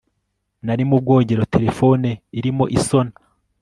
Nari mu bwogero telefone irimo isona